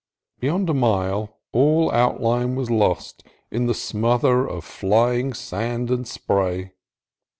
Beyond a mile all outline was lost in the smother of flying sand and spray.